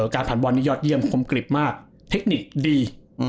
การผ่านบอลนี้ยอดเยี่ยมคมกริบมากเทคนิคดี